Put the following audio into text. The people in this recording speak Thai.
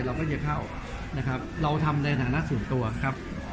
เราก็จะเข้านะครับเราทำในฐานะส่วนตัวครับ